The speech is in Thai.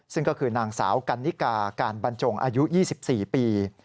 ซึ่งก็คือนางสาวกันนิกาการบรรจงอายุ๒๔ปี